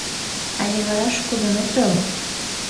Але вараш кодын отыл.